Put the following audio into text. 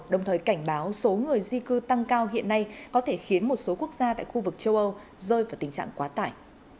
đồng thời cảnh báo số người di cư tăng cao hiện nay có thể khiến một số quốc gia tại khu vực châu âu rơi vào tình trạng quá tải